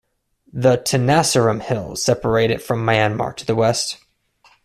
The Tenasserim Hills separate it from Myanmar to the west.